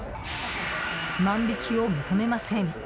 万引きを認めません。